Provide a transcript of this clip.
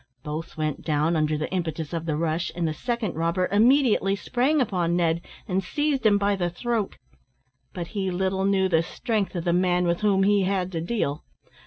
Both went down, under the impetus of the rush, and the second robber immediately sprang upon Ned, and seized him by the throat. But he little knew the strength of the man with whom he had to deal.